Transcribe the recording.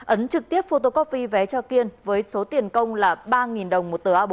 ấn trực tiếp photo copy vé cho kiên với số tiền công là ba đồng một tờ a bốn